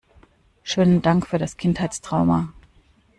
Schönen Dank für das Kindheitstrauma!